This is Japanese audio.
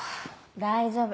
大丈夫。